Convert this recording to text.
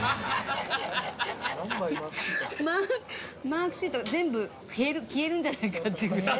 マークシートが全部消えるんじゃないかってぐらい。